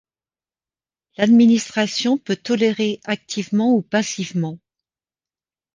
L'administration peut tolérer activement ou passivement.